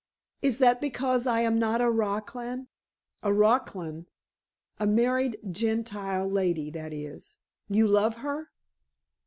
"Is that because I am not a raclan?" "A raclan?" "A married Gentile lady, that is. You love her?"